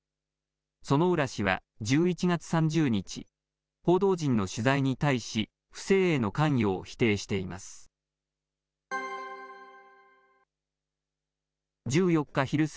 薗浦氏は、１１月３０日、報道陣の取材に対し、不正への関与を否定しています。